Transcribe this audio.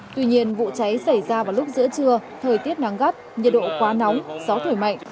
tuy nhiên vụ cháy xảy ra vào lúc giữa trưa thời tiết nắng gắt nhiệt độ quá nóng gió thổi mạnh